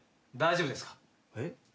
男大丈夫ですか？